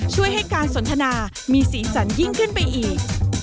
ช่วยให้การสนทนามีสีสันยิ่งขึ้นไปอีก